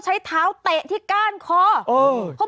เบิร์ตลมเสียโอ้โห